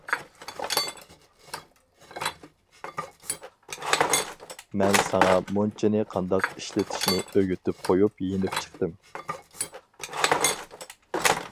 مەن ساڭا مۇنچىنى قانداق ئىشلىتىشنى ئۆگىتىپ قويۇپ يېنىپ چىقتىم.